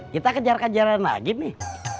kita kejar kejaran lagi nih